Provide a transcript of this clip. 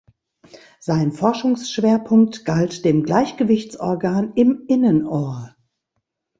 Sein Forschungsschwerpunkt galt dem Gleichgewichtsorgan im Innenohr.